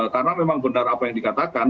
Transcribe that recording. karena memang benar apa yang dikatakan